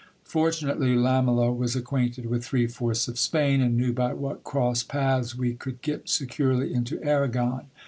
Fortunately Lamela was acquainted with three fourths of Spain, and knew by what cross paths we could get securely into Arragon.